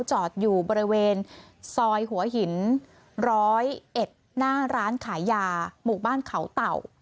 จอดอยู่บริเวณซอยหัวหิน๑๐๑หน้าร้านขายยาหมู่บ้านเขาเต่า